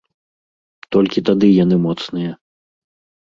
Толькі тады яны моцныя.